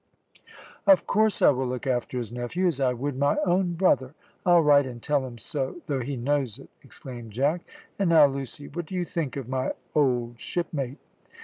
"Of course I will look after his nephew, as I would my own brother. I'll write and tell him so, though he knows it," exclaimed Jack; "and now, Lucy, what do you think of my old shipmate?"